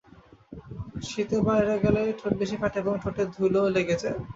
শীতে বাইরে গেলে ঠোঁট বেশি ফাটে এবং ঠোঁটে ধুলাও লেগে যায়।